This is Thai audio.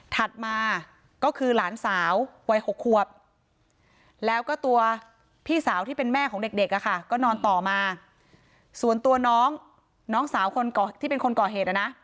มาก็คือหลานสาววัย๖ควบแล้วก็ตัวพี่สาวที่เป็นแม่ของเด็กอะค่ะก็นอนต่อมาส่วนตัวน้องน้องสาวคนที่เป็นคนก่อเหตุนะ